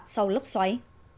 sau lốc xoáy